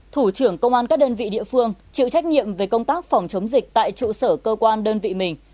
thủ trưởng công an các đơn vị địa phương chịu trách nhiệm về công tác phòng chống dịch tại trụ sở cơ quan đơn vị mình